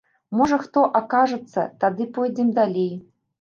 Можа хто акажацца, тады пойдзем далей.